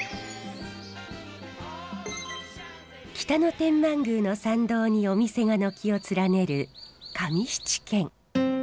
北野天満宮の参道にお店が軒を連ねる上七軒。